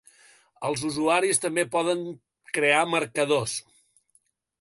Els usuaris també poden crear marcadors.